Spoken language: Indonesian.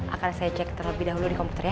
akan saya cek terlebih dahulu di komputer ya